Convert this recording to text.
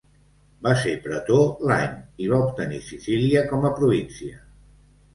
Va ser pretor l'any i va obtenir Sicília com a província.